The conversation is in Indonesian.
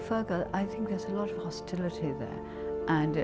itu yang saya pikirkan saya harus mengatakan